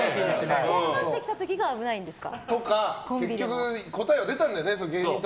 下がってきた時が危ないんですか？